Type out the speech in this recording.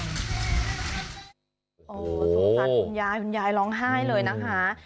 สงสัยคุณยายคุณยายร้องไห้เลยนะคะ